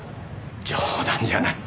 冗談じゃない。